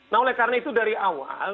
nah oleh karena itu dari awal